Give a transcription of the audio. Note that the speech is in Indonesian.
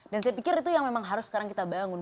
dan saya pikir itu yang memang harus sekarang kita bangun